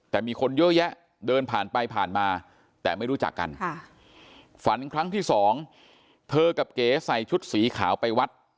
แต่มีคนเยอะแยะเดินผ่านไปผ่านมาแต่ไม่รู้จักกันฝันครั้งที่สองเธอกับเก๋ใส่ชุดสีขาวไปวัด